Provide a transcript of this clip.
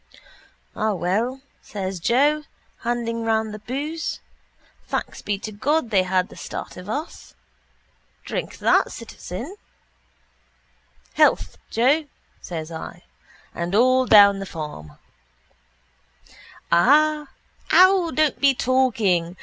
—Ah, well, says Joe, handing round the boose. Thanks be to God they had the start of us. Drink that, citizen. —I will, says he, honourable person. —Health, Joe, says I. And all down the form. Ah! Ow! Don't be talking!